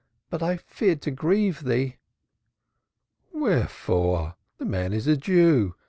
But I feared to grieve thee." "Wherefore? The man is a Jew.